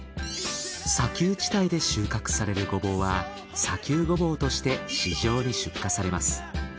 砂丘地帯で収穫されるゴボウは砂丘ゴボウとして市場に出荷されます。